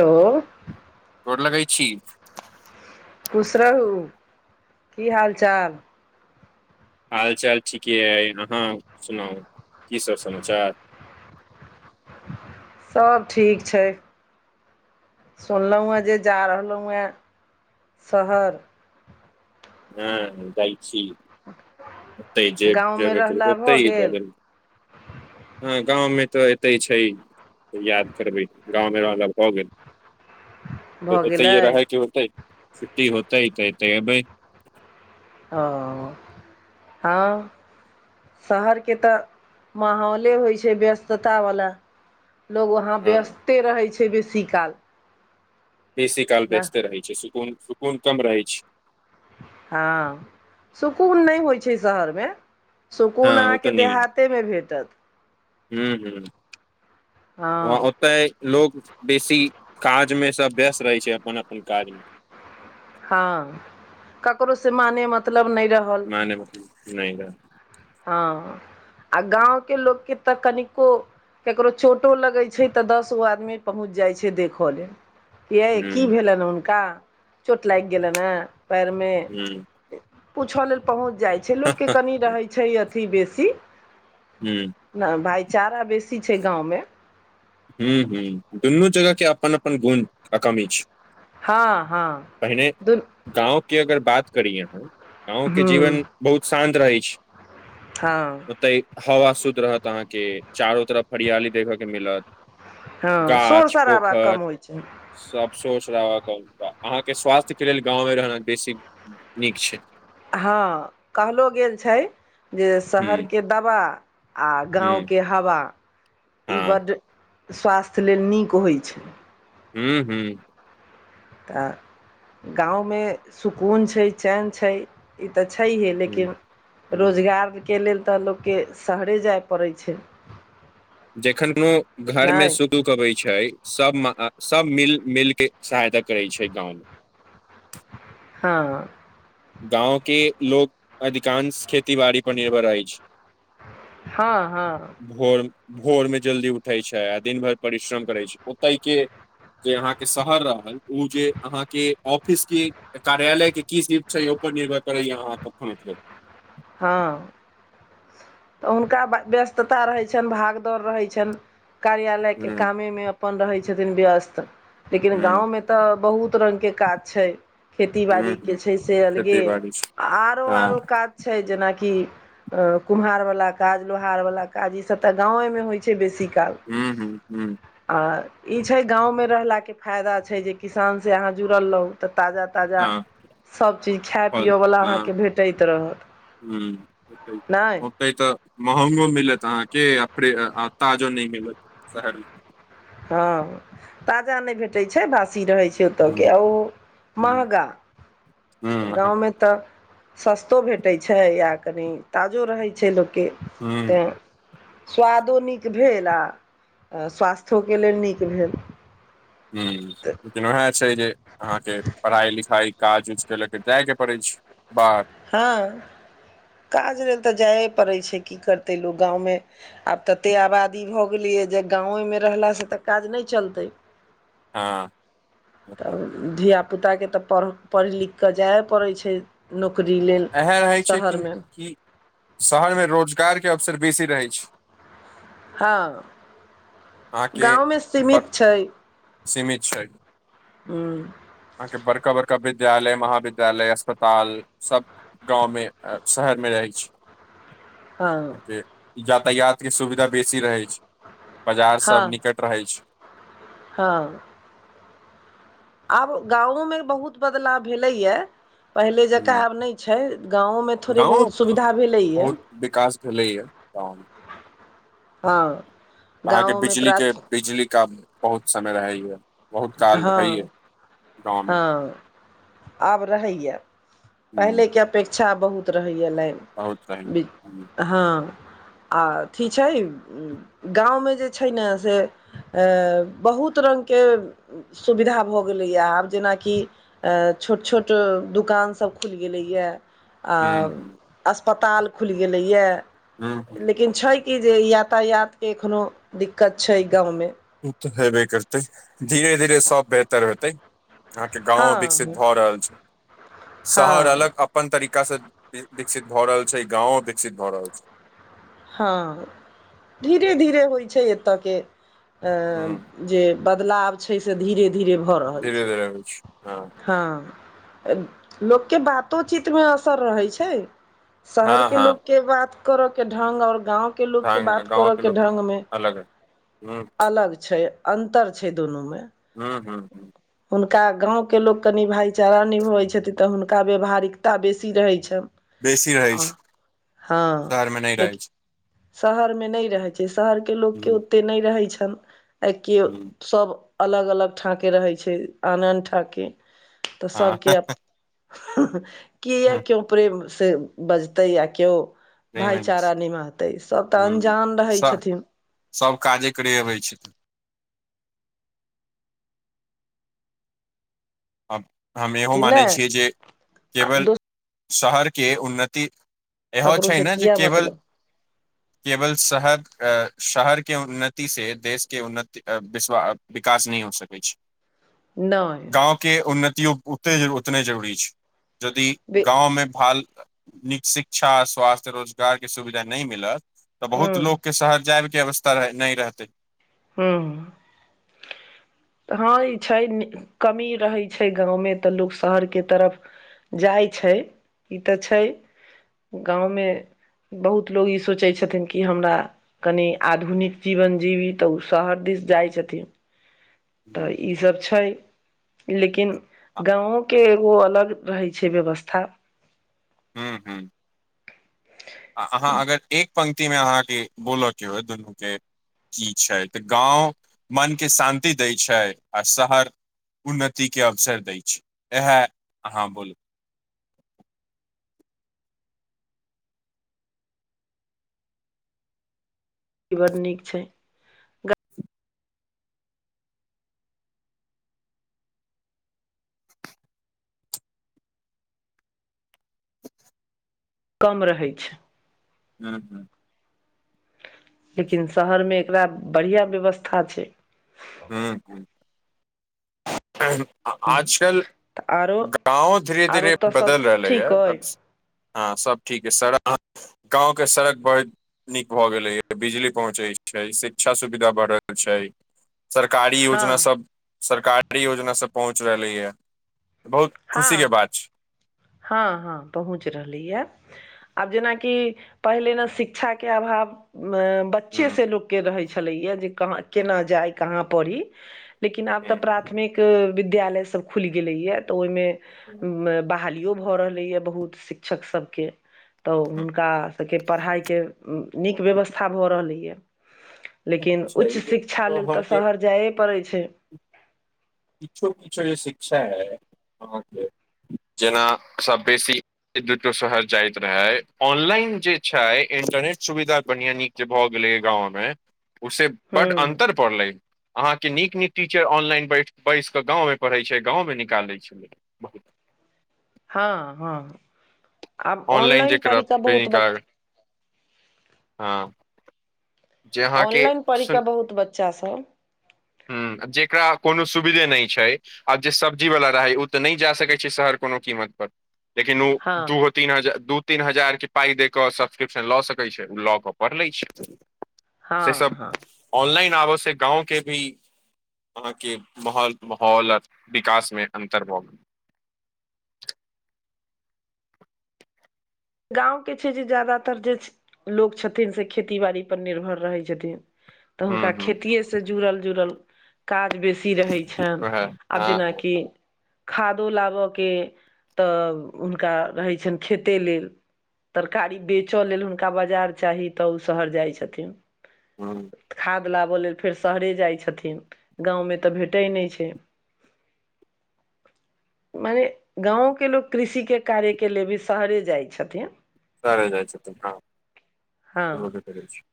त। गोर लगेइ छी। खुश रहू की हाल चाल। हाल चाल ठीके अइ अहाँ सुनाउ कीसभ समाचार। सब ठीक छै। सुनलहुँए जे जा रहलहुॅंए शहर। हँ जाइ छी गाँवमे रहला भऽ ओतहि [unintelligible] गेल हँ गाँव मे तऽ एतइ छै। तऽ याद करबै गाँव मे रहला भऽ गेल। त भऽ गेलै ओतैये रहै क होतै, छुट्टी होतै तऽ एतय एबइ। हॅंअ हँ। शहरके तऽ माहौले होइ छै व्यस्तता बला। लोग वहाँ हँ व्यस्ते रहै छै बेसी काल। बेसी काल ने व्यस्ते रहै छै सुकून- सुकून कम रहै छै। हँ सुकून नै होइ छै शहर मे। सुकून अहाँके देहाते मे भेटत। हूॅं हूॅं बहुत, हँ ओतहि लोग बेसी काज मे सब व्यस्त रहै छै अपन - अपन काज मे। हँ ककरो से माने मतलब नै रह माने मतलब नहि रहत। हँ आ गाँव के लोक के तऽ कनिको ककरो चोटो लगै छै तऽ दस गो आदमी पहुँच जाइ छै देखऽ ले। यै हूँ की भेलनि हुनका। चोट लागि गेलनि ए पैर मे हूँ पूछऽ लेल पहुँच जाइ छै लोक के कनि रहै छै अथी बेसी। हूॅं। ने भाइचारा बेसी छै गाँव मे। हूॅं हूॅं दुनू जगह के अपन - अपन गुण क कमी छै। हँ हँ दुनू गाँंव के अगर बात करी अहाँ गाँंव के ह्म जीवन बहुत शान्त रहै छै। हँ। ओतय हवा शुद्ध रहत अहाॅंके चारो तरफ हरियाली देखऽ के मिलत। हँ शोर गाछ शराबा पोखर कम होइ छै। सब सोच रहऽ अहाँके स्वास्थ्यके लेल गाँव मे रहना बेसी नीक छै। हँ कहलो गेल छै जे शहर हूं के दबा आ गाँव हूं के हवा इ हँ बड्ड स्वास्थ्य लेल नीक होइ छै। हूँ हूँ। तऽ गाँव मे सुकून छै चैन छै। ई तऽ छैहे हूं लेकिन हूं रोजगार के लेल तऽ लोक के शहरे जाइ पड़ै छै। जखन कोनो घर मे नहि सुख दुख अबै छै सब म सब मिल - मिल के सहायता करै छै गाँंव मे। हँ। गाँंव के लोग अधिकांश खेती- बाड़ी पर निर्भर रहै छ। हँ हँ। भोर - भोर मे जल्दी उठय छै आ दिन भर परिश्रम करै छै ओतय के जे अहाँके शहर रहल ओ जे अहाँके ऑफिस के कार्यालय के की स्थि छै ओइ पर निर्भर करैये अहाँ कखन उठबै। हँ तऽ हुनका व्यस्तता रहै छनि भागदौड़ रहै छनि। कार्यालयके हूँ कामेमे अपन रहै छथिन व्यस्त। लेकिन हूँ गाँवमे तऽ बहुत रङ्गके काज छै खेती हूँ बाड़ीके हूँ छै से अलगे। खेती बाड़ी हँ आरो-आरो काज छै जेनाकि अ कुम्हार वाला काज लोहार वाला काज ई सब तऽ गांव मे होइ बेसी काल। हूँ हूँ हूँ आओर ई छै गाँवमे रहलाके फेयदा छै जे किसान से अहाँ जुड़ल रहू तऽ ताजा ताजा हँ सबचीज खाए पियवला अहाँके भेटैत रहत। ह्म होतै नहि होतै तऽ महगो मिलत अहाँके प्रे आ ताजो नहि मिलत शहरमे। हँ ताजा नै भेटै छै भासी रहै छै ओ तऽ हूँ ओ हूँ महगाऽ हूँ गाँवमे त सस्तो भेटै छै आ कनि ताजो रहै छै लोकके हूँ तै। स्वादो नीक भेल आ स्वास्थ्योके लेल नीक भेल। हू वएह छै जे अहाँके पढ़ाई लिखाई काज उज के लऽ के जाइ के पड़ै छै बाहर। हँ काज लेल तऽ जाए पड़ै छै की करतै लोक गाँवमे। आब तते आबादी भऽ गेलियै जे गाँएमे रहलासँ त काज नहि चलतै। हँ ओतय। तब धियापुताके तऽ पड़ पढ़ि लिख कऽ जाए पड़ै छै। नौकरी लेले। एहन रहै छै कि कि शहरमे रोजगारके अवसर बेसी रहै छै। हँ अहाँके गाँवमे ब सीमित छै। सीमित छै हूँ। अहाँके बड़का-बड़का विद्यालय महाविद्यालय अस्पताल सब गाँवमे शहरमे अब रहैत छी। हँ यातायात के सुविधा बेसी रहै छै बाजार सब हँ निकट रहै छै। हँ। आब गाँवोमे बहुत बदलाव भेलैए। पहिले जकाँ हुँ आब नै छै गाँउमे थोड़े गाँव बहुत क सुविधा भेलैय। बहुत विकास भेलैए गाउँ मे। हँ। अहाँ के गाँवोमे बिजली के प्राथ बिजली का बहुत समय रहै य। बहुत काल हँ रहैए गाँवमे। हँ आब रहैए ह पहिलेके अपेक्षा बहुत रहैए लाइन। बहुत मीत रहैया हँ आ अथी छै गाँवमे जे छै ने से ए बहुत रङ्गके सुविधा भऽ गेलैए आब जेनाकि अ छोट-छोट दुकानसभ खुलि गेलैए। आ ह अस्पताल खुलि गेलैए। हू-ह लेकिन छै कि जे यातायातके एखनो दिक्कत छै गाँवमे। उ तऽ हेबे करतै धीरे-धीरे सब बेहतर होतै। अहाँके गाँवो विकसित हँ भऽ रहल छै शहर अलग हँ अप अपन तरीका स देश विकसित भऽ रहल छै गाँंवो विकसित भए रहल छै। हँ, धीरे धीरे होइ छै एतय के अ ह जे बदलाव छै से धीरे धीरे भऽ रहल धीरे छै। धीरे होइ छै हँ लोकके बातोचीतमे असर रहै छै। हँ शहरके हँ लोकके बात करऽ के ढंग और गाँवके लोकके हँ बात करऽके ढंग मे हं अलग छै अन्तर छै दुनूमे। हूं हूं। [inaudible] हुनका गाँवके लोक कनि भाइचारा निभबै छथि तऽ हुनका व्यवहारिकता बेसी रहै छैय बेसी रहै आ छै हँ शहर मे नहि रहै लेकि छै शहरमे नहि रहै छै शहरके लोकके ओतेक नहि रहै छनि ऐ के सभ अलग अलग ठाँके रहै छै आन आन ठाँके तऽ ह सभके अप ह ह‌ किये ह क्यो प्रेम से बजतै आ केओ हँ भाईचारा निमहतै सभ तऽ अन्जान रहै छथिन सभ काजे करै अबै छै। आ हम इहो अथि ने मानै छियै जे केवल दोस शहरके उन्नति इहो ककरो छै से न जे किया केवल [inaudible] केवल शहर अ शहर के उन्नति से देशके उन्नति विस्वा अ विकास नहि हो सकै छै। नै। गाँव के उन्नतियो उतने जरूरी छै यदि बे गाँव मे भाल नीक शिक्षा, स्वास्थ्य, रोजगार के सुविधा नहि मिलत तऽ हुँ बहुत लोकके शहर जाय के अवस् ता नहि रहतै हूं। हँ ई छै कमी रहै छै गाँवमे तऽ लोक शहरके तरफ जाइ छै ई तऽ छै गाँवमे बहुत लोक ई सोचै छथिन कि हमरा कनी आधुनिक जीवन जीबी तऽ ओ शहर दिस जाइत छथिन। तऽ ई सब छै लेकिन गाँवों के ओ अलग रहै छै व्यवस्था। हूं हूं। आ अहाँ अगर एक पंक्तिमे अहाँके बोलयके होए दुनूके की छै तऽ गाँव मनके शान्ति दै छै आ शहर उन्नति के अवसर दै छै, इएहे अहाँ बोलू। ई बड्ड नीक छै। कम रहै छै। हूँ हूँ लेकिन शहरमे एकरा बढ़िआँ व्यवस्था छै। हूं ए ह आ आजकल तऽ आरो गाँवो धीरे आरो धीरे ओतऽ सब बदल रहलैए। ठीक अइ हँ सब ठीक ऐ सड़क गाँव के सड़क बर नीक भऽ गेलैए, बिजली पहुँचै छै, शिक्षा सुविधा बढ़ रहल छै सरकारी हँ योजना सब सरकारी योजना सब पहुँच रहलैयै। बहुत हँ खुशी के बात छै। हँ- हँ पहुँच रहलैए हे। आब जेनाकि पहिले ने शिक्षा के अभाव ब च्चे हम्म से लोकके रहै छलैये जे कहाँ हम्म केना जाइ कहाँ पढ़ी। लेकिन आब तऽ हम्म। प्राथमिक विद्यालय सब खुलि गेलै ये तऽ ओहि एहन मे बहालियो भऽ रहलै यऽ बहुत शिक्षक सब के तऽ हुनका सबके पढ़ाई के निक व्यवस्था भऽ रहलैएा लेकिन छै उच्च जे शिक्षा लेल तऽ अहाँके शहर जाय पड़ै छै। किछो- किछो जे शिक्षा अइ अहाँके जेना सभ बेसी एक दूटा शहर जाइत रहै ऑनलाइन जे छै इंटरनेट सुविधा बढ़िया नीक जे भऽ गेलैए गाँंव में ओइसे हँ बड अन्तर परलै, अहाँके नीक- नीक टीचर ऑनलाइन बैठ बैस कऽ गाँवमे पढ़ैत छै गाँवमे निकालै छै। हँ- हँ आब जे ऑनलाइन करब पढ़िकऽ बहुत ब हँ। जे अहाँके ऑनलाइन पढ़ि कऽ बहुत बच्चा सब ह जेकरा कोनो सुविधे नहि छैक। आब जे सब्जी बला रहै ओ तऽ नहि जा सकैत छै शहर कोनो कीमत पर लेकिन ओ हँ दू तीन हजार दू -तीन हजार के पाई दऽ के सब्सक्रिप्शन लऽ सकैत छै ओ लऽ के पढ़ि लै छै। से सब हँ हँ ऑनलाइन आबऽ से गाँव के भी आहां के माहौल- माहौल विकास में अंतर भऽ गेल। गाँंव के छै जे ज्यादातर जे छै। लोक छथिन से खेती- बाड़ी पर निर्भर रहै छथिन। तऽ हुँ हुनका हुँ खेतिए से जुड़ल- जुड़ल काज बेसी रहै छैन वएह आब हँ जेना कि खादो लाबयके तऽ हुनका रहैत छनि खेते लेल। तरकारी बेचय लेल हुनका बाजार चाही तऽ ओ शहर जाइत छथिन। हूँ। खाद लाबय लेल त फेर शहरे जाइत छथिन, गाँवमें तऽ भेटैत नहि छै। मने गाँंवं के लोग कृषि के कार्य के ले भी शहरे जाइ। छथिन। शहरे जाइ छथिन हां हँ होइबै करै छै।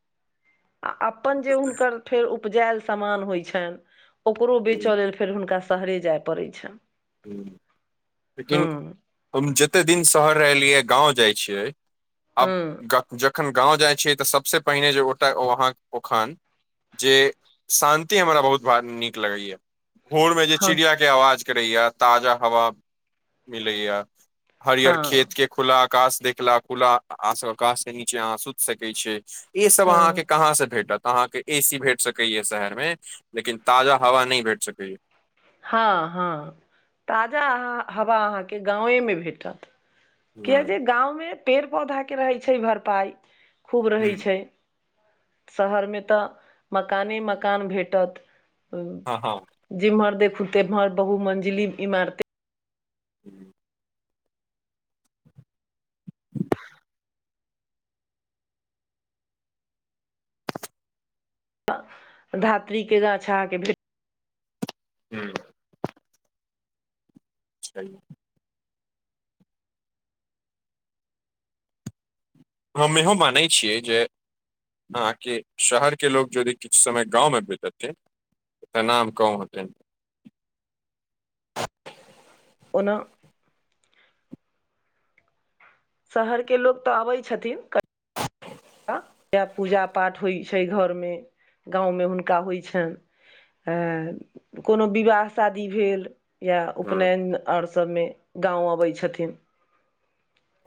आ अपन जे हुनकर फेर उपजायल सामान होइ छनि ओकरो हूँ बेचय लेल फेर हुनका शहरे जाय पड़ैत छनि। ह लेकिन हँ हम जतेक दिन शहर रहलियै गाँव जाइ छियै आब हँ जखन गाँव जाइ छियै तऽ सभसँ पहिने जे ओतय हाँ ओ खान जे शान्ति हमरा बहुत नीक लगैया। भोर में जे हँ चिड़िया के आवाज करैया ताजा हवा मिलैया हरियर खेत हँ के खुला आकाश देखला खुला आकाश के नीचे अहाँ सुति सकैत छियै। ई सब अहाँके हँ कहाँ से भेटत अहाँके। ए सी भेट सकै या शहर में लेकिन ताजा हवा न भेट सकै या। हँ -हँ ताजा हवा अहाँके गाँवे में भेटत। ह कियाजे गाँंव में पेड़ पौधा के रहै छै भरपाई खूब रहै ह छै। शहर में तऽ मकाने -मकान भेटत। हँ हँ। जिम्हर देखू तेम्हर बहु मंजिली इमारते हूँ। धात्री के गाछ आँह के भे हुं। छैहे। हम इहो मानै छियै जे अहाँ के शहर के लोक जदि किछ समय गाँव मे बीतेथिन तऽ नाम कम होतैन। ओना शहर के लोग तऽ अबै छथिन क इए पूजा पाठ होइत छै घरमे गाँवमे हुनका होइ छइन। अं कोनो विवाह शादी भेल या ह उपनयन आर सभमे गाँव अबै छथिन।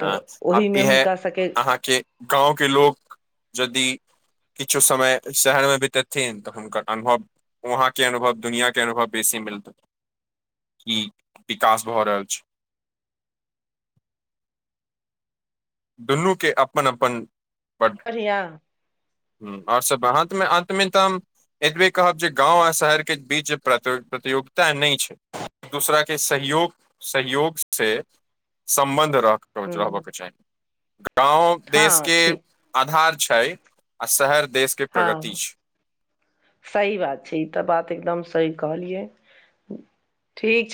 तऽ हाँ आब ओहिमे इएह हुनका सभके अहाँके गाँव के लोक जदि किछु समय शहरमे बितेथिन तऽ हुनकर अनुभव वहाँके अनुभव दुनिया के अनुभव बेसी मिलतै। की विकास भऽ रहल छै। दुनू के अपन अपन ब बढ़िया। हु और सब ब अंत मे अंत मे तऽ हम एतबे कहब जे गाँंव आ शहर के बीच प्रति प्रतियोगिता नहि छै। एक दोसराक के सहयोग सहयोग से सम्बन्ध रख ह्म रहबक चाही। गाँव देश हँ के ठीक आधार छै आ शहर देश के प्रगति हँ छै सही बात छै ई तऽ बात एकदम सही कहलियै। ठीक छै।